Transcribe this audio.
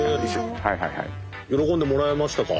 喜んでもらえましたか？